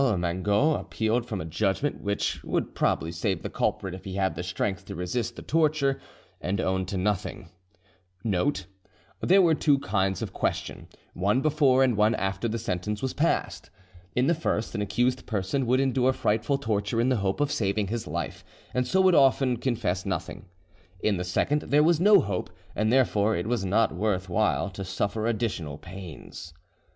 Mangot appealed from a judgment which would probably save the culprit if he had the strength to resist the torture and own to nothing; [Note: There were two kinds of question, one before and one after the sentence was passed. In the first, an accused person would endure frightful torture in the hope of saving his life, and so would often confess nothing. In the second, there was no hope, and therefore it was not worth while to suffer additional pains.